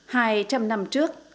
hai trăm năm trước